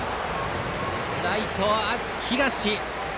ライトの東！